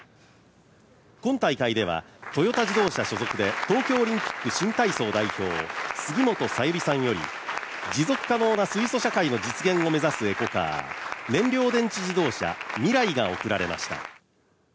今大会ではトヨタ自動車所属で東京オリンピック新体操代表、杉本早裕吏さんより持続可能な水素社会の実現を目指すエコカー燃料電池自動車、ＭＩＲＡＩが贈られました。